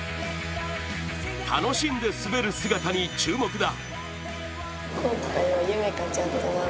楽しんで滑る姿に注目だ。